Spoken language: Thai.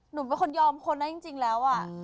หนูเป็นคนยอมคนนะจริงแล้ว